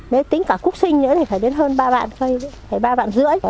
nếu tính cả cúc sinh nữa thì phải đến hơn ba vạn cây phải ba vạn rưỡi